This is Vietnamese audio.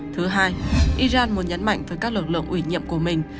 thứ hai iran muốn nhấn mạnh với các lực lượng ủy nhiệm của mình